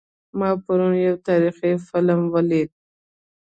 ما پرون یو تاریخي فلم ولید